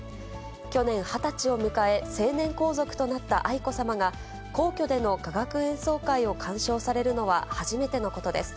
去年２０歳を迎え、成年皇族となった愛子さまが、皇居での雅楽演奏会を鑑賞されるのは初めてのことです。